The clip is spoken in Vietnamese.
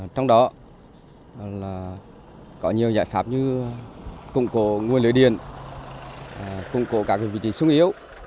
trong đó có nhiều giải pháp như cung cố nguồn lưới điện cung cố các vị trí xung yếu